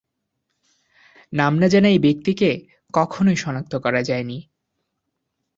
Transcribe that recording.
নাম না জানা এই ব্যক্তিকে কখনোই শনাক্ত করা যায়নি।